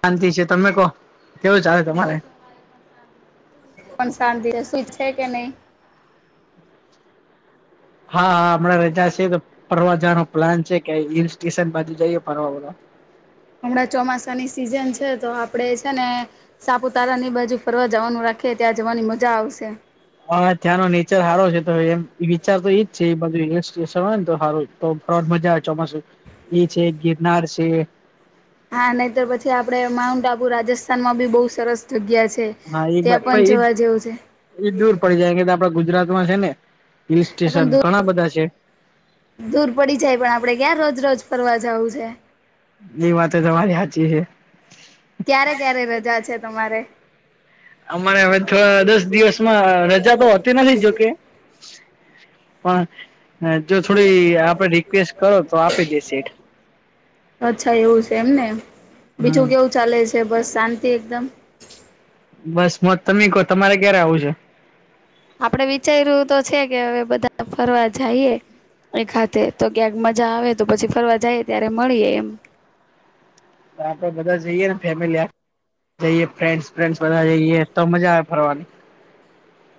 શાંતિ છે તમે કહો કેવું ચાલે તમારે પણ શાંતિ શું ઈચ્છે કે નહી. હા હા હમણાં રજા છીએ તો ફરવા જવાનો પ્લાન છે કે હિલ સ્ટેશન બાજુ જઈએ ફરવા બોલો. હમણાં ચોમાસાની સિઝન છે તો આપડે છે ને સાપુતારા ની બાજુ ફરવા જવાનું રાખ ખે ત્યાં જવાની મજા આવશે. હ ત્યાંનો નેચર સારો છે તો એમ વિચાર તો એજ છે રેલવે સ્ટેશન હોય તો હારું તો ફર મજા આવે ચોમાસું એ છે ગિરનાર છે હા નહી તર પછી આપડે માઉન્ટ આબુ રાજસ્થાનમાં બી બહુ સરસ જગ્યા છ હા એ વાત એ દૂર પડી જાય કે આપડા ગુજરાત માં છે ને હિલ પણ સ્ટેશન દૂર ઘણા બધા છે. દૂર પડી જાય પણ આપડે ક્યાં રોજ રોજ ફરવા જાવું છે. એની વાતો તમારી હાચી હે. ક્યારે ક્યારે રજા છે તમારે? અમારે હવે તો દસ દિવસમાં રજા તો હોતી નથી જોકે. પણ હા જો થોડી આપડે રિક્વેસ્ટ કરો તો આપે દે સેઠ. અચ્છા એવું છે એમને. બીજું હમ કેવું ચાલે છે બસ શાંતિ એકદમ. બસ મત તમે કો તમારે ક્યારે આવું છે? આપડે વિચાર્યું તો છે કે હવે બધા ફરવા જાઈએ. એક હાથે તો ક્યાંક મજા આવે તો પછી ફરવા જાય ત્યારે મળીએ એમ. આપડે બધા જઈએ ને ફેમિલી હા જઈએ ફ્રેન્ડ્સ ફ્રેન્ડ બધા જઈએ તો મજા આવે ફરવાની.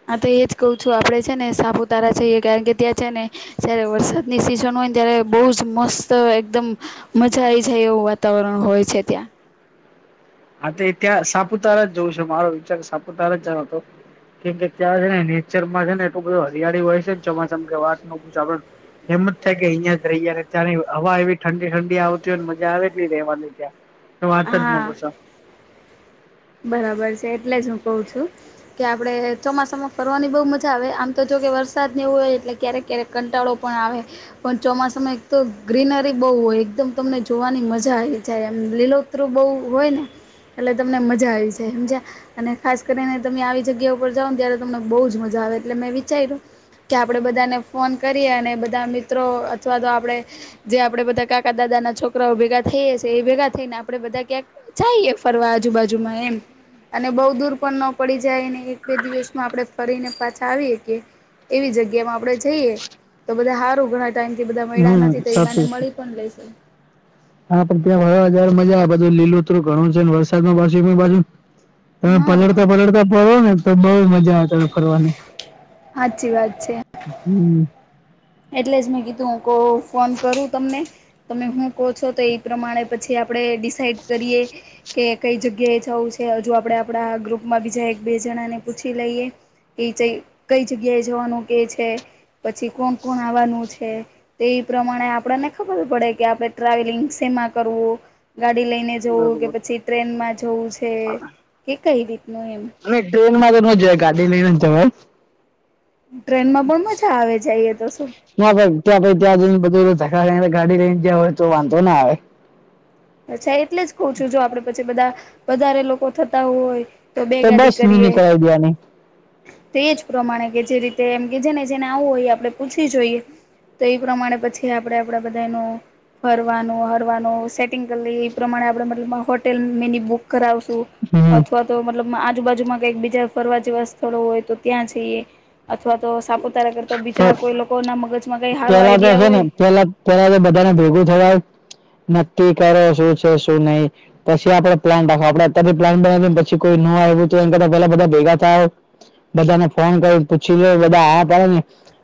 હા તો એ જ કઉ છું આપડે છે ને સાપુતારા જઈએ કારણ કે ત્યાં છે ને જયારે વરસાદની સિઝન હોય ને ત્યારે બવ જ મસ્ત એકદમ મજા આઈ જાય એવું વાતાવરણ હોય છે ત્યાં. હા તો ત્યાં સાપુતારા જ જોવું છે. મારો વિચાર સાપુતારા જો હતો. કેમ કે ત્યાં છે ને નેચરમાં છે ને એલું બધું હરિયાળી હોય છે ને ચોમાસામાં કે વાત ન પૂછ આપડે એમ જ થાય કે અહિયાં જ રહીય ત્યાં હવા એવી ઠંડી ઠંડી આવતી હોયને મજા આવે એટલી રહેવાની ત્યાં. તો વાત જ નો હા પૂછો. બરાબર છે એટલે જ હું કઉ છું કે આપડે ચોમાસામાં ફરવાની બઉ મજા આવે આમ તો જો કે વરસાદ ને એવું હોય એટલે ક્યારેક ક્યારેક કંટાળો પણ આવે પણ ચોમાસામાં એક તો ગ્રીનરી બહુ હોય એકદમ તમને જોવાની મજા આવી જાય એમ. લીલો ઉતરું બહુ હોય ને એટલે તમને મજ મજા આવી જાય અને ખાસ કરીને તમે આવી જગ્યા પર જાવને ત્યારે તમને બહુ જ મજા આવે એટલે મે વિચારી તયરું. કે આપડે બધાને ફોન કરીએ અને બધા મિત્રો અથવા તો આપડે જે આપડે બધા કાકા દાદા ના છોકરાઓ ભેગા થઈ એ છે એ ભેગા થઈને આપડે બધા ક્યાંક જઈએ ફરવા આજુબાજુ જુ માં એમ અને બઉ દૂર પણ ન પડી જાયને એક બે દિવસમાં આપણે ફરીને પાછા આવી હકીએ એવી જગ્યા માં આપડે જઈએ તો બધા હારું ઘણા ટાઈમથી બધા મયલા હમ નથી તો એ મને સાચું છે મળી પણ લેશે. હા પણ ત્યાં ફરવા જયારે મજા આ બધુ લીલોતરુ ઘણો છે ને વરસાદમાં વરસ્યું બાજુ. તમે હા પલળતા પલડતા પડો ને તો બઉ મજા ફરવાની. સાચી વાત છે હમ્મ. એટલે જ મેં કીધું હું કવ ફોન કરું તમને તમે હું કો છો તો એ પ્રમાણે પછી આ પડે ડિસાઇડ કરીએ કે કઈ જગ્યાએ જાવું છે હજુ આપણે આપણા ગ્રુપમાં બીજા એક બે જણાને પૂછી લઈએ. એ કઈ જગ્યા એ જવાનું કે છે પછી કોણ કોણ આવાનું છે તે એ પ્રમાણે આપણને ખબર પડે કે આપણે ટ્રાવેલિંગ શેમાં કરવું. ગાડી લઈને જવું કે બરોબર પછી ટ્રેન માં જવું છે કે કઈ રીતે અને ટ્રેન માં તો ન જ ગાડી લઈને જવાય ટ્રેનમાં પણ મજા આવે જઈએ તો શું ના ભાઈ ત્યાં ક ત્યાં જ બધ થાય ગાડી રે જ હોય તો વાંધો ના આવે અચ્છા એટલે જ કઉ છું જો આપડે પછી બધા વધારે લોકો થતા હોય તો બે ગાદી બસ કરીએ મિની કરાવી દેવાની તો એજ પ્રમાણે કે જે રીતે મ કે જેને જેને આવવું હોય આપડણે પૂછી જોઈએ તો એ પ્રમાણે પછી આપડે આપડે બધાનું ફરવાનું હરવાનું એ પ્રમાણે આપબ હોટેલ મેની બુક કરાવશું હમ અથવા તો મતલબ આજુબાજુમાં કઈક બીજા ફરવા જેવા સ્થળો હોય તો ત્યાં જઈએ અથવા તો સાપુતારા કરતા બીજા કોઈ પણ લોકો ના મગજમાં કઈ સારો પેલા આઈડિયા હોય ધર નક્કી કરો શું છે શું નહીિ પછી આપડે પ્લાન્ટ રાખો આપડે અત્યારની પ્લાન બનાવીને પછી કોઈ ન તા પેલા બધા ભેગા થયા બધાને ફોન કરીને પૂછી લ બધા આ પડે ને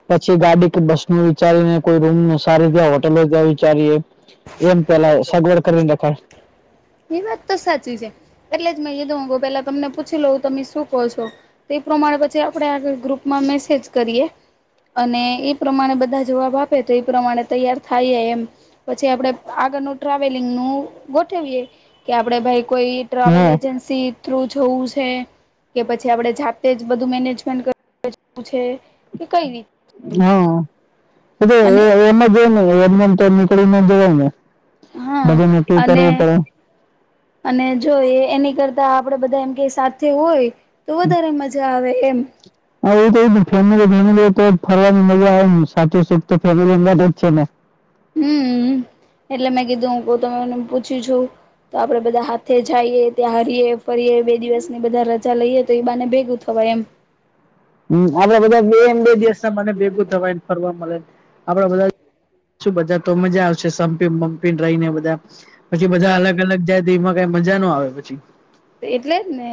પછી ગાડી કે બસ નું વિચારીને કોઈ રૂમ ન સારીી ત્યાં હોટેલો ત્યાં વિચારીએ એમ પેલા સગવડ કરીને દેખાય એ વાત તો સાચી છે એટલે જ મે કધુંહ પેલા તમને પૂછી લઉ તમે શું કહો છો પ્રમાણે પછી આપણેે આળ ગ્રુપમાં મેસેજ કરીએ અને એ પ્રમાણે બધા જવાબ આપે તો એ પ્રમાણે તૈયાર થાય એમ પછી આપડે આગળનું ટ્રાવેલિંગ નું ગોઠવીએ કે આપડે ભાઈ કોઈ ટ્રાવેલ હા એજન્સી થ્રુ જોવું છે કે પછી આપડે જાતે જ બધું મેનેજમેન્ટવું છે કે કઈ રીતે હા અને એ એમાંને ચમની કોળ નંદ જને હા અને અને જોઈ એની કરતા આપડે બધા એમ કે સાથે હોય તો વધારે મજા આવે એમ હ એ તો ફેમ ફેમ તો ફરવાની મળવા આવેને સાચુંસ એક તો ફેરી અંદદ જ છે ને હમ એટલે મેં કીધું હ તને પૂછ્યું છું તો આપડે બધા હાથે જઈએ ત્યાં હરીય ફરીએ બે દિવસની બધા રજા લઈએ તો એ બાને ભેગું થવાય એમ હમ આપડે બધા બેમ બે દિવસ મને ભેગું થવાય ફરવા મળેને આપડા બધા છુ બધા તો મજા આવશે સમપીપી રહીને બધા પછી બધા અલગ અલગ જાયમાં ક મજા ન આવે પછી એટલે જ ને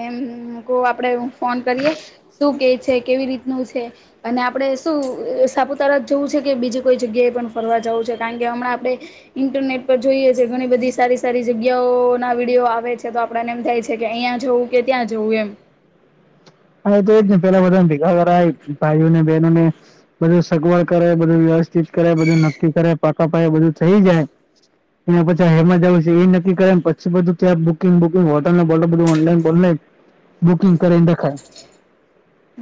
આપડે ફોન કરીએ શું કે છે કેવી રીતે નું છે અને આપડે શું સાપુતારા જવું છે કે બીજી કોઈ જગ્યા એ પણ ફરવા જવું છે કારણ કે હમણા આપણે ઇન્ટરનેટ પર જોઈએ છે ઘણી બધી સારી સારી જગ્યાઓ ના વિડીયો આવે છે તો આપને એમ થાય છે કે અહીિયાં જવું કે ત્યાં જવું એમ હ તો એ જ નહીં પેલા બધાને ભેગા થરા ભાઈઓ ને બહેનો ને બધું સગવડ કરે બધું વ્યવસ્થિત કરે બધું નક્કી કરે પાકા પાાય બધું થઈ જાય એ પછી હેમાં જ આવ છે એ નક્કી કરે પછી બધું કે બુકિંગ બુકિંગ હોટલને બટલ બધું ઓનલાઈન ઓઈન બુકિંગ કરેને દખાય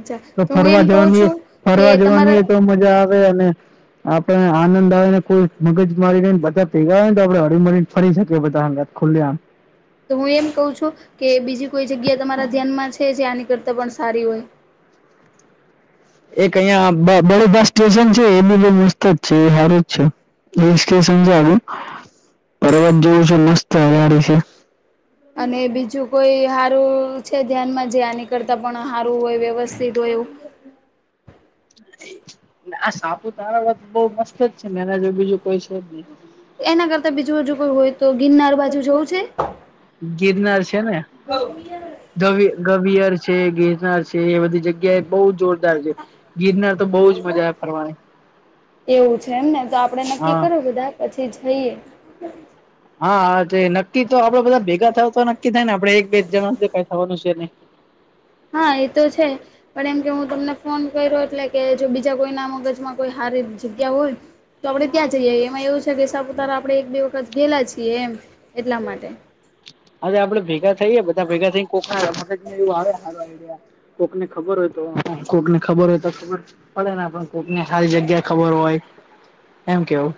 અચ્છા તો હું ફરવા એમ કહું જવાની છું કે ફરવા તમારા જવાનીય તો મજા આવે અને આપણે આનંદ આવે ને કોઈ મગજ મારીને બધા ભેગા હો ને તો આપડે હળમળીને ફરી શકીએ બધા હા કલ્યાણ તો હું એમ કઉ છું કે બીજી કોઈ જગ્યા તમારા ધ્યાનમાં જ છે છે આની કરતા પણ સારી હોય એક અહિયાં બળ બસ સ્ટેશન છે એ બી જ છે એ હાર જ છે એ વિ સમજાવું પર્વત જોવું છે મસ્ત હડી છે અને બીજું કોઈ સારું છે ધ્યાનમાં જે આની કરતા પણ સારું હોય વ્યવસ્થિત હોય એવ આ સાપુ તારા વાત બહ મસ્ત જ છે મેના જો બીજું કોઈ છે જ નહી એના કરતા બીજું બાજુ કોઈ હોય તો ગિરનાર બાજુ સવું છે ગિરનાર છે ને ગબિયર છે ગિરનાર છે એ બધી જગ્યા એ બહુ જ જોરદાર છે ગિરનાર તો બહુજ મજા આવે ફરવાની એવું છે એમને તો આપડે નક્કી હા કરું બધા પછી જઈએ હા હા નક્કી તો આપડે બધા ભેગા થાય તો નક્કી થાય ને આપડે એક બે જણા કઈ થવાનું છે નહી હ હા એ તો છે પણ એમ કે હું તમને ફોન કર્યો એટલે કે જો બીજા કોઈ ના મગજમાં કોઈ હારી જગ્યા હોય તો આપડણે ત્યાં જઈએ એમાં એવું છે કે સાપુતારા આપણે એક બે વખત ઘેલા છીએ એમ એટલા માટે અરે આપડે ભેગા થઈએે બધા ભેગા થઈને કોણ એવ આવે આઈડ કોક ને ખબર હોય તો કોક ને ખબર હોય તો ખબર પડે ને કોકને સારી જગ્યા ખબર હોય એમ કેવું.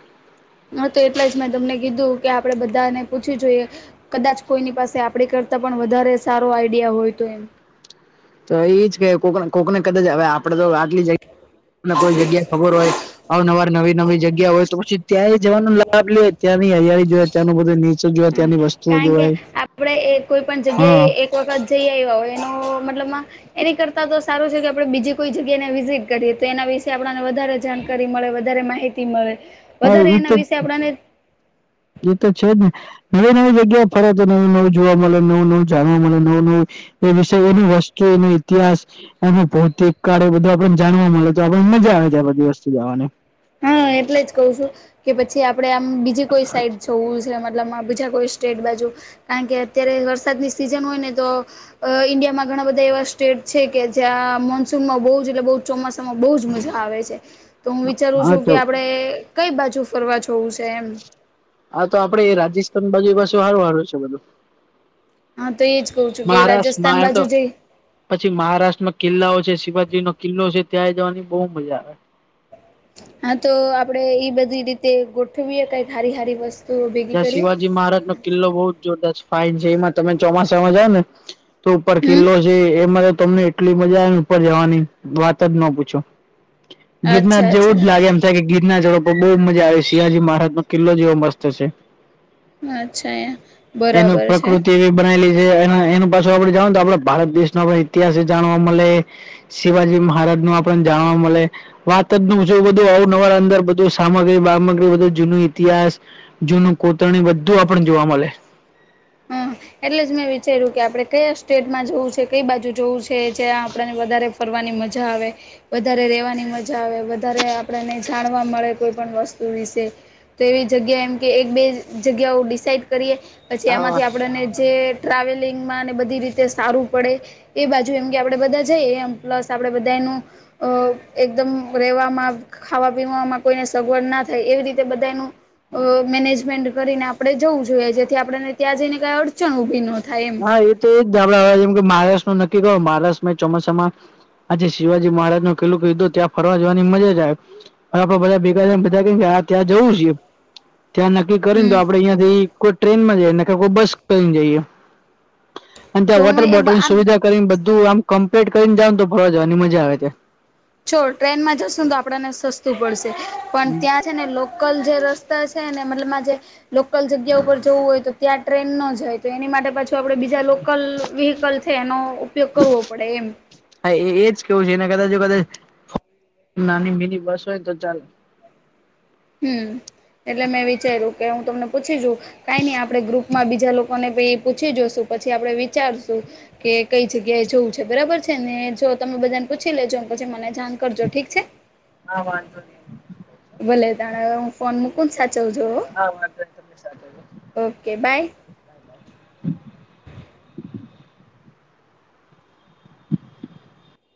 હ તો એટલા જ મેં તમને કીધું. કે આપડે બધાને પૂછવી જોઈએ કદાચ કોઈની પાસે આપડી કરતા પણ વધારે સારો આઈડિયા હોય તો એમ [inaudible] તો એજ કે કોક કોકને કદ હ આપડે તો આટલી જગ્યા કોઈ જગ્યા ખબર હોય અવનવા નવી નવી જગ્યા હોય તો પછી. ત્યાં એ જવાનું લાભ લે ત્યાંની હિયાળી જોાય ત્યાંનું બધ નીચે જોય હા ત્યાંની વસ્તુઓ કારણ કે જોવાય આપણે કોઈ પણ જગ્યાએ હા એક વખત જઈ આવ્યા હોય એનો મતલબમાં એની કરતા તો સારું છે કે આપણે બીજી કોઈ જગ્યાને વિઝિટ કરીએ તો એના વિશે આપણને વધારે જાણકારી મળે વધારે માહિતી મળે હવેટ આપણાને એ તો છે જ ને નવી નવી જગ્યા ફરે તો નવું નવું જોવા મળે નવું નવું જાણવા મળે નવું નવું એ વિષ એનું વસ્તુ એનો ઇતિહાસ અને ભૌતિક કાળે બધાને જાણવા મળે તો આપણને મજા આવે છે આ બધી વસ્તુ જવાને હા એટલે જ કઉ છું કે પછી આપડે આમ બીજી કોઈ સાઈડ જવું મ બીજ કો સ્ટેટ બાજુ કારણ કે અત્યારે વરસાદની સીઝન હોય ને તો ન્ િયામાં ઘણા બધા એવા સ્ટેટ છે કે જ્યાં મોન્સૂનમાં બહુ એટલે બ ચોમાસામાં બહ જ મજા આવે છે તો હું વિચારું હા છું કે તો આપડે કઈ બાજુ ફરવા જોવું છે એમ. હા તો આપડે રાજસ્થાન બાજુ પાછુ હારું વારું છે બધું. હા તો એજ કઉ છું કે રાજસ્થાન મહારાષ્ટ્રમાં એમ બાજુ તો જઈ પછી મહારાષ્ટ્રમાં કિલ્લાઓ છે. શિવાજી નો કિલ્લો છે ત્યાં જવાની બહુ મજા આવે. હા તો આપડે એઈ બધી રીતે ગોઠવીએે કઈક હારી હારી વસ્તુ. ત્યાં શિવાજી મહારાજ નો કિલ્લો બહુ જ જોરદસ્ત ફાઇન છે એમાં તમે ચોમાસામાં જાય ને તો ઉપર હમ કિલ્લો છે એમાં તો તમને એટલી મજા આવે ને ઉપર જવાની વાત જ ના પૂછો. ગીરનારથ અચ્છા જેવું અચ્છા જ લાગે એમ થાય કે ગીરનારથો ઉપ પર બહુ મજા આવે છે શિંહજી મહારાજનોો કિલ્લો જેવો મસ્ત અચ્છા એનું બરાબર છે પ્રકૃતિ એવી બનાયલી એનું પાછ આપડે જાણ આપડ ભારત દેશ ન ઇતિહાસ જાણવા મળે શિવાજી મહારાજ પણ જાણવા મળે વાત નુંવ બધું આવું નવાર અંદર બધું સામગ્રી સામગ્રી બધું જૂનું ઇતિહાસ જૂનું ત્ર બધું આપણ જોવા મળે. હા એટલે જ મેં વિચાર્યું કે આપણે કયા સ્ટેટમાં જવું છે કઈ બાજુ જોવું છે જ્યાં આપણને વધારે ફરવાની મજા આવે. વધારે ર રહેવાની મજા આવે. વધારે આપણને જાણવા મળે કોઈ પણણ વસ્તુ વિશે તો એવી જગ્યા એમ કે એક બે જગ્યાઓ ડિસાાઈડ કરીએ પછી હા આમાંથી આપણને જે ટ્રાવેલિંગ માં ને બધી રીતે સારું પડે એ બાજુ એમ કે આપડે બધા જઈએ એમ પ્લસ આપડે બધા. એકદમ રહવામાં ખાવા પીવામાં કોઈને સગવડ ના થાય એવી રીતે નું અ મેનેજમન્ટ કરીને આપડણે જવું જોઈએ જેથી આપણેને ત્યાં જઈને કઈ અડચણ ઉભી નતી હા એ તો એજ આપડા જેમ કે મહારાષ્ટ્ર નું નક્કી કરો મહારાષ્ટ્રમાં ચોમાસામાં આજે શિવવાજી મહારાજ નું કલ્લું કીધું ત્યાં ફરવા જવાની મજા આવે પણ આપડે બધાં ભેગાને બધા [unintelligible] ત ત્યાં જવું છે. [inaudible] ત્યાં નક્કી કરીને તો હમ આપડે અહંથી કોઈ ટ્રેન માં જઈએ નકર કોઈ બસ કરી ને જઈએ અને તો ત્યાં હું વોટર એ બોટલ ની આમ સુવિધા કરીને બધું આમ કમ્પ્લીટ કરીને જાવ તો ફરવા જવાની મજા આવે ત. છોડ ટ્રેનમાં જશું તો આપણને સસ્તું પડશે પણ ત્યાં છે ને લોકલ જે રસ્તા છે ને મતલબ મા લોકલ જગ્યા ઉપર જવું હોય તો ત્યાં ટ્રેન ન જાય તો એની માટે પાછુ આપડે બીજા લોકલ વિહીકલ છે એનો ઉપયોગ કરવો પડે એમ હા એ એજ કેવું છે એને કદાચ કદચ નાની મીની બસ હોયને તો ચાલે હમ એટલે મેં વિચાર્યું કે હું તમને પૂછી જોઉં. કાઈ નઈ આપડે ગ્રુપ માં બીજા લોકોને પહી પૂછી જોશું પછી આપડે વિચારશું કે કઈ છે કે જોવું છે બરાબર છે ને જો તમે બધાને પૂછી લેજો પછી મને જાણ કરજો ઠીક છે. હા વાંધો નહી ભલે તાર હું ફોન મૂકું સાચવજો હો હા વાંધો નહી તમને સાથે ઓકે બાય. [inaudible]